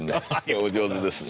お上手です。